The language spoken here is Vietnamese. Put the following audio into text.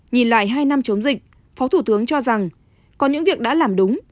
nhìn lại hai năm chống dịch phó thủ tướng cho rằng có những việc đã làm đúng